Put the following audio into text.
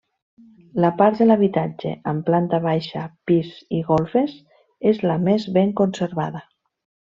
La part de l'habitatge, amb planta baixa, pis i golfes, és la més ben conservada.